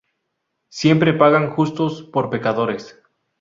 Siempre pagan justos por pecadores